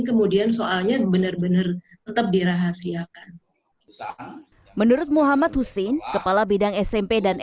kemudian soalnya benar benar tetap dirahasiakan menurut muhammad husin kepala bidang smp dan